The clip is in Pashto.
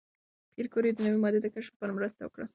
پېیر کوري د نوې ماده د کشف لپاره مرسته وکړه.